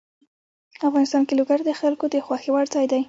افغانستان کې لوگر د خلکو د خوښې وړ ځای دی.